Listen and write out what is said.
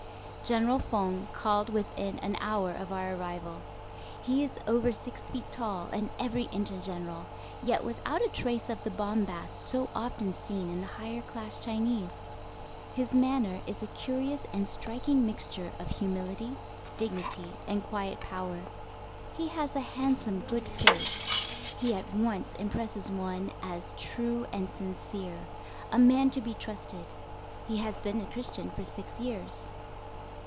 General Feng called within an hour of our arrival. He is over six feet tall, and every inch a General, yet without a trace of the bombast so often seen in the higher class Chinese. His manner is a curious and striking mixture of humility, dignity, and quiet power; he has a handsome, good face. He at once impresses one as true and sincere, a man to be trusted. He has been a Christian for six years.